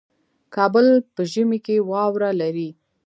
کابل په ژمي کې واوره لري